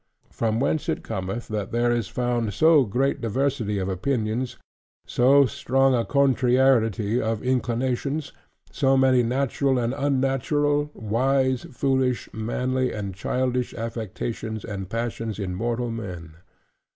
From whence it cometh that there is found so great diversity of opinions; so strong a contrariety of inclinations; so many natural and unnatural; wise, foolish, manly, and childish affections and passions in mortal men.